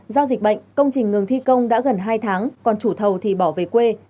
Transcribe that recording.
do dịch bệnh công trình ngừng thi công đã gần hai tháng còn chủ thầu thì bỏ về quê